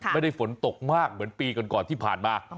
ไม่ได้ฝนตกมากเหมือนปีก่อนที่ผ่านมา